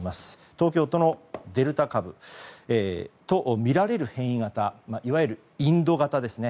東京都のデルタ株とみられる変異型いわゆるインド型ですね。